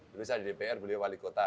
dulu saya di dpr beliau wali kota